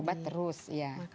obat terus ya